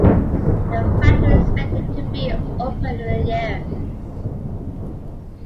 The factory is expected to be opened in a year.